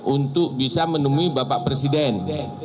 untuk bisa menemui bapak presiden